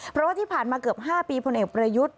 เพราะว่าที่ผ่านมาเกือบ๕ปีพลเอกประยุทธ์